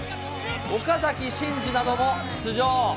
岡崎慎司なども出場。